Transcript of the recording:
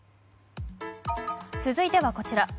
続いては、こちら。